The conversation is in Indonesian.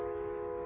siapa siapa itu